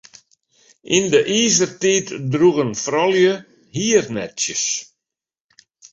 Yn de Izertiid droegen froulju hiernetsjes.